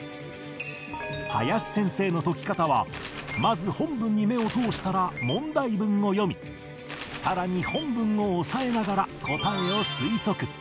林先生の解き方はまず本文に目を通したら問題文を読みさらに本文を押さえながら答えを推測